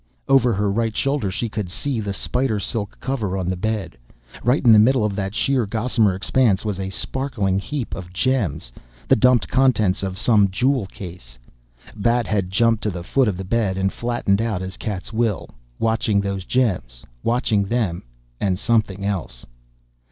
Over her right shoulder she could see the spider silk cover on the bed. Right in the middle of that sheer, gossamer expanse was a sparkling heap of gems, the dumped contents of some jewel case. Bat had jumped to the foot of the bed and flattened out as cats will, watching those gems, watching them and something else!